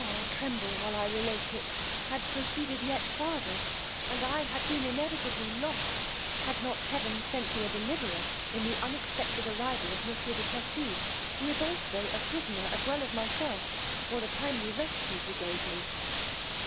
I tremble while I relate it, had proceeded yet farther; and I had been inevitably lost, had not heaven sent me a deliverer in the unexpected arrival of monsieur du Plessis, who is also a prisoner as well as myself, for the timely rescue he gave me.